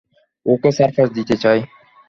ওকে surprise দিতে চাই।